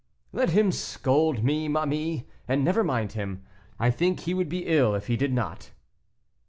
"Let him scold, ma mie, and never mind him; I think he would be ill if he did not."